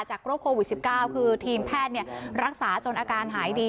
จากโรคโควิดสิบเก้าคือทีมแพทย์เนี่ยรักษาจนอาการหายดี